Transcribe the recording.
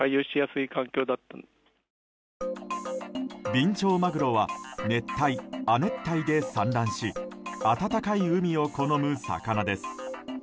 ビンチョウマグロは熱帯・亜熱帯で産卵し温かい海を好む魚です。